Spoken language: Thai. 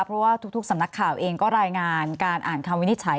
เพราะว่าทุกสำนักข่าวเองก็รายงานการอ่านคำวินิจฉัย